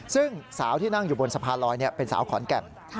ซึ่งสาวที่นั่งอยู่บนสะพานลอยเป็นสาวขอนแก่น